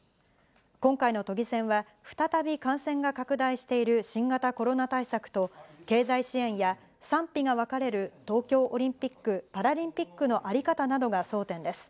今回の都議選は、再び感染が拡大している新型コロナ対策と、経済支援や賛否が分かれる東京オリンピック・パラリンピックの在り方などが争点です。